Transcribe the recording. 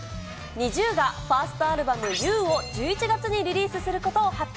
ＮｉｚｉＵがファーストアルバム、Ｕをリリースすることを発表。